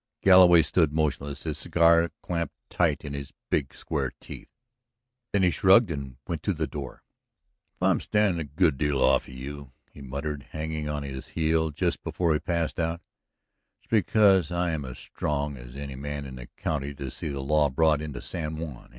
Galloway stood motionless, his cigar clamped tight in his big square teeth. Then he shrugged and went to the door. "If I am standing a good deal off of you," he muttered, hanging on his heel just before he passed out, "it's because I am as strong as any man in the county to see the law brought into San Juan.